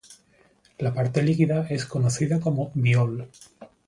La parte líquida es conocida como biol.